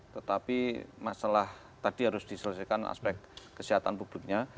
tetapi masalah tadi harus diselesaikan aspek kesehatan publiknya